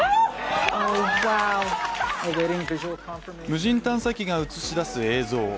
無人探査機が映し出す映像。